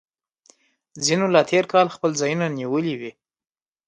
ځینو لا تیر کال خپل ځایونه نیولي وي